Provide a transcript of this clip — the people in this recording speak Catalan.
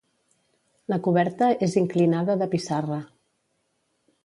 La coberta és inclinada de pissarra.